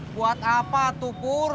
buat apa tuh pur